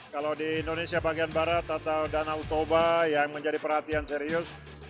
kalau di indonesia bagian barat atau danau toba yang menjadi perhatian serius